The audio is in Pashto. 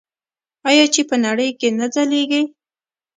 آیا چې په نړۍ کې نه ځلیږي؟